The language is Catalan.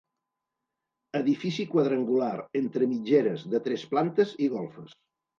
Edifici quadrangular entre mitgeres, de tres plantes i golfes.